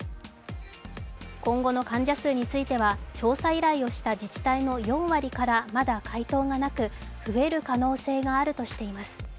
今後の患者数については、調査依頼をした自治体の４割からまだ回答がなく、増える可能性があるとしています。